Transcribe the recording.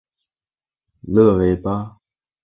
勒维巴。